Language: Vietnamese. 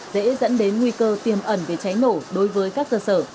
dễ dẫn đến nguy cơ tiềm ẩn về cháy nổ đối với các cơ sở